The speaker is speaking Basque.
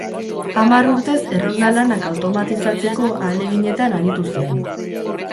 Hamar urtez errolda-lanak automatizatzeko ahaleginetan aritu zen.